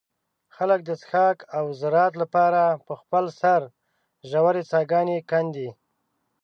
خلک د څښاک او زراعت له پاره په خپل سر ژوې څاګانې کندي.